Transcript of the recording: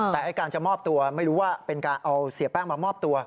แต่การจะมอบตัวไม่รู้ว่าเป็นการเอาเสียแป้งมามอบตัว